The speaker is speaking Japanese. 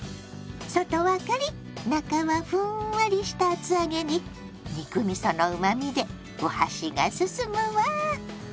外はカリッ中はふんわりした厚揚げに肉みそのうまみでお箸がすすむわ。